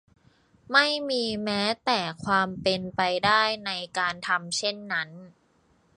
ไม่มีแม้แต่ความเป็นไปได้ในการทำเช่นนั้น